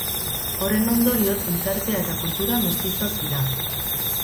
Horren ondorioz, gizartea eta kultura mestizoak dira.